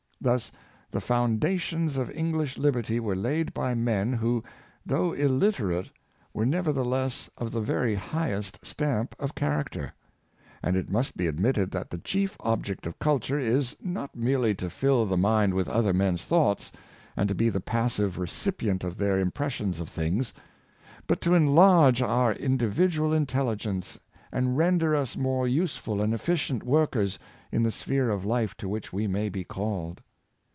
Thus the foundations of English liberty were laid by men who, though illiterate, were neverthe less of the very highest stamp of character. And it must be admitted that the chief object of culture is, not merely to fill the mind with other men's thoughts, and to be the passive recipient of their impressions of things, but to enlarge our individual intelligence, and render us more useful and efficient workers in the sphere of life to which we may be called.